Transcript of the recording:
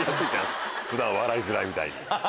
普段笑いづらいみたいに。